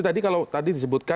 tadi kalau tadi disebutkan